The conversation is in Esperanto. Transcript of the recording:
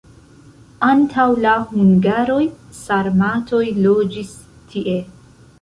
Antaŭ la hungaroj sarmatoj loĝis tie.